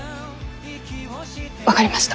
分かりました。